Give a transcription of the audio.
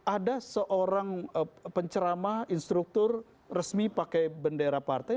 ada seorang pencerama instruktur resmi pakai bendera partai